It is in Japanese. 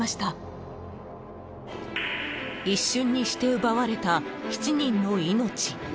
［一瞬にして奪われた７人の命］